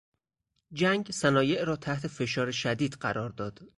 جنگ صنایع را تحت فشار شدید قرار داد.